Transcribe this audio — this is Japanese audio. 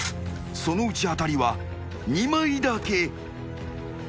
［そのうち当たりは２枚だけ］